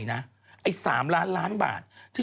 จากธนาคารกรุงเทพฯ